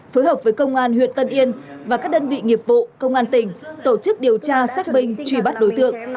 phối hợp với công an huyện tân yên và các đơn vị nghiệp vụ công an tỉnh tổ chức điều tra xác minh truy bắt đối tượng